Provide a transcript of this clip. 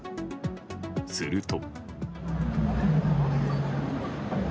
すると。